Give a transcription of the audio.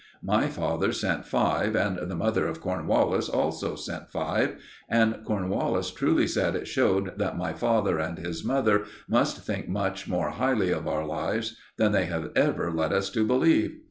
My father sent five, and the mother of Cornwallis also sent five; and Cornwallis truly said it showed that my father and his mother mast think much more highly of our lives than they had ever led us to believe.